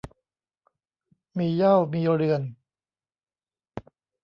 มีเหย้ามีเรือน